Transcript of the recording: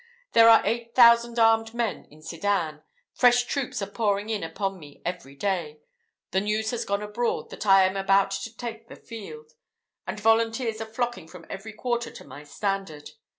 "There are eight thousand armed men in Sedan. Fresh troops are pouring in upon me every day. The news has gone abroad that I am about to take the field; and volunteers are flocking from every quarter to my standard.